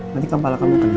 nanti kepala kamu kena